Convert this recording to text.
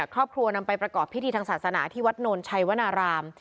ครอบครัวนำไปประกอบพิธีทางศาสนาที่วัดโนนชัยวนาราม